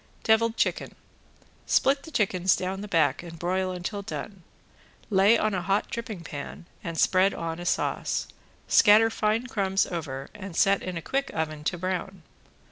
~DEVILED CHICKEN~ Split the chickens down the back and broil until done, lay on a hot dripping pan and spread on a sauce, scatter fine crumbs over and set in a quick oven to brown.